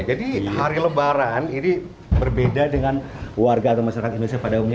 hari lebaran ini berbeda dengan warga atau masyarakat indonesia pada umumnya